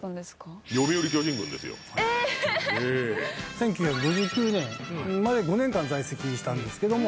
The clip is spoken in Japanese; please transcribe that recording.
１９５９年まで５年間在籍したんですけども。